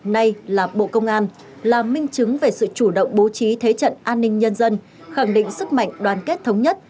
nay là bộ công an là minh chứng về sự chủ động bố trí thế trận an ninh nhân dân khẳng định sức mạnh đoàn kết thống nhất